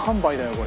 これ。